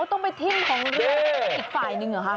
ต้องเป็นทิมของเรืออีกฝ่ายนึงหรอค่ะ